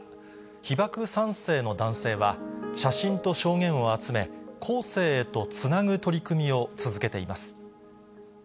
被爆３世の男性は写真と証言を集め、後世へとつなぐ取り組みを続けています。